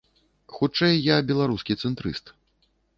Хутчэй я беларускі цэнтрыст.